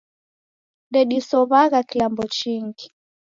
Ndedisow'agha kilambo chingi.